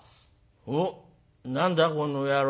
「おう何だこの野郎。